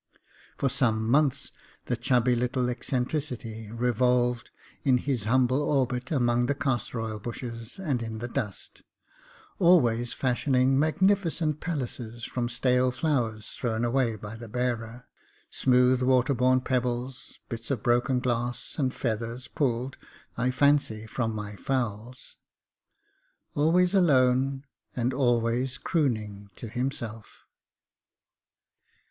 For some months the chubby little eccentricity revolved in his humble orbit among the castor oil bushes and in the dust; always fashioning magnificent palaces from stale flowers thrown away by the bearer, smooth water worn pebbles, bits of broken glass, and feathers pulled, I fancy, from my fowls always alone, and always crooning to himself.